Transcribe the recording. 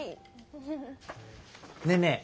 ねえねえ